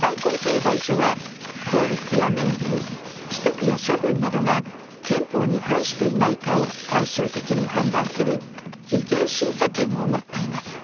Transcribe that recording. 最高裁判所は法律や命令規則や処分などが憲法に反していないかを最終的に判断する違憲審査権をもっています。